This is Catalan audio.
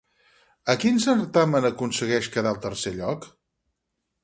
A quin certamen aconsegueix quedar al tercer lloc?